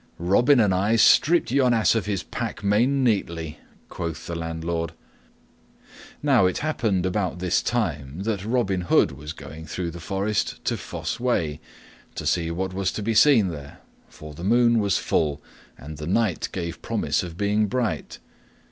"Robin and I stripped yon ass of his pack main neatly," quoth the landlord. Now it happened about this time that Robin Hood was going through the forest to Fosse Way, to see what was to be seen there, for the moon was full and the night gave promise of being bright.